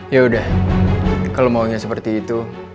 yaudah kalau maunya seperti itu